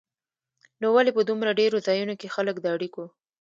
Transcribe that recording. نو ولې په دومره ډېرو ځایونو کې خلک د اړیکو